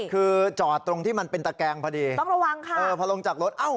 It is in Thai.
คือจอดตรงที่มันเป็นตะแกงพอดีต้องระวังค่ะเออพอลงจากรถเอ้า